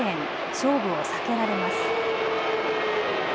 勝負を避けられます。